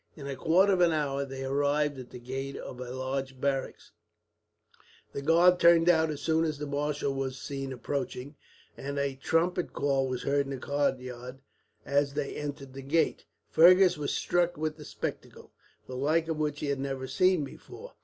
In a quarter of an hour they arrived at the gate of a large barracks. The guard turned out as soon as the marshal was seen approaching, and a trumpet call was heard in the courtyard as they entered the gate. Fergus was struck with the spectacle, the like of which he had never seen before.